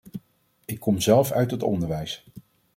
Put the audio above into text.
Ik kom zelf uit het onderwijs.